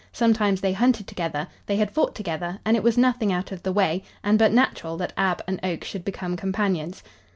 Sometimes they hunted together; they had fought together, and it was nothing out of the way, and but natural, that Ab and Oak should become companions.